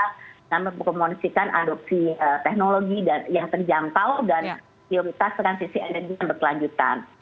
kita mempromonisikan adopsi teknologi yang terjangkau dan prioritas transisi energi yang berkelanjutan